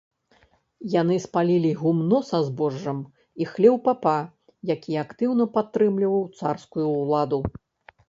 Яны спалілі гумно са збожжам і хлеў папа, які актыўна падтрымліваў царскую ўладу.